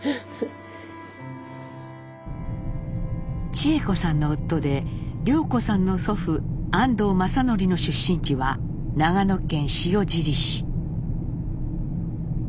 智枝子さんの夫で涼子さんの祖父安藤正順の出身地は長野県塩尻市。